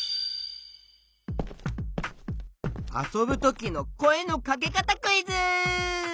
あそぶときのこえのかけかたクイズ！